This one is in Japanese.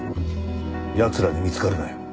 やつらに見つかるなよ。